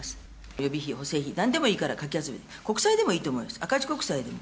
予備費、補正費、なんでもいいからかき集めて、国債でもいいと思います、赤字国債でも。